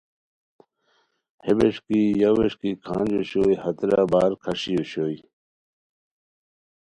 ہے ویݰکی یا ویݰکی کھانج اوشوئے ہتیرا بار کھاݰی اوشوئے